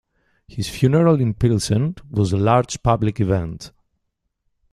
His funeral in Pilsen was a large public event.